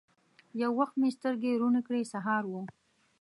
یو وخت مې سترګي روڼې کړې ! سهار و